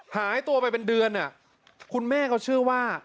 หายตัวไปเป็นเดือนคุณแม่เขาเชื่อว่า